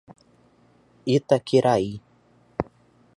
Itaquiraí